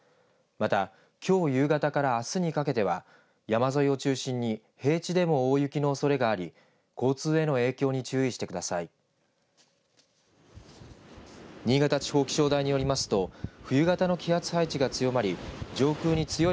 またきょう夕方からあすにかけては山沿いを中心に平地でも大雪のおそれがあり交通への影響に注意してください。